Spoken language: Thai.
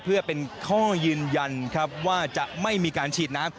เพื่อเป็นข้อยืนยันครับว่าจะไม่มีการฉีดน้ำ